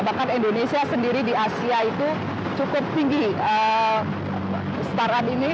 bahkan indonesia sendiri di asia itu cukup tinggi startup ini